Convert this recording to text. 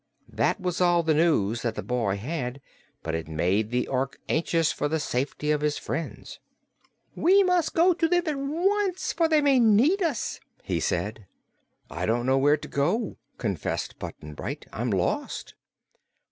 That was all the news that the boy had, but it made the Ork anxious for the safety of his friends. "We must go to them at once, for they may need us," he said. "I don't know where to go," confessed Button Bright. "I'm lost."